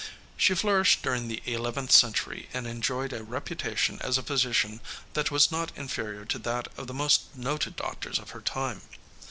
She flourished during the eleventh century and enjoyed a reputation as a physician that was not inferior to that of the most noted doctors of her time.